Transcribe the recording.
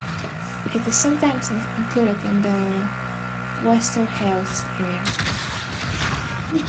It is sometimes included in the Wester Hailes area.